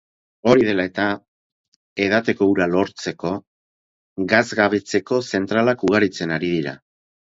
Hori dela eta, edateko ura lortzeko, gatzgabetzeko zentralak ugaritzen ari dira.